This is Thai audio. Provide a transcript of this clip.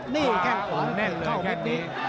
นี่แข้งขวาแน่นเลยเข้าแค่นี้